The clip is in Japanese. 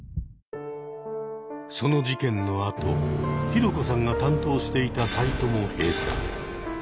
その事件のあとヒロコさんが担当していたサイトも閉鎖。